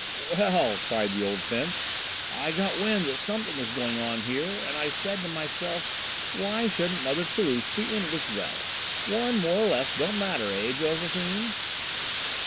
"Well," cried the old fence, "I got wind that something was going on here, and I said to myself, 'Why shouldn't Mother Toulouche be in it as well?' One more or less don't matter, eh, Josephine?"